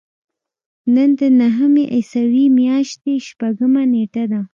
نن د نهمې عیسوي میاشتې شپږمه نېټه ده.